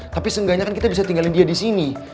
tapi seenggaknya kan kita bisa tinggalin dia di sini